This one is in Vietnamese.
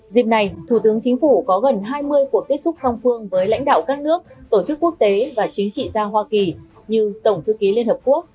dịp này thủ tướng chính phủ có gần hai mươi cuộc tiếp xúc song phương với lãnh đạo các nước tổ chức quốc tế và chính trị gia hoa kỳ như tổng thư ký liên hợp quốc